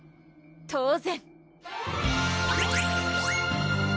当然！